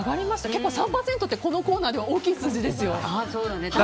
結構、３％ってこのコーナーでは大きい数字ですよ。